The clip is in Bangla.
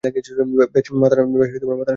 বেশ, মাথানষ্ট করা ডুব ছিল।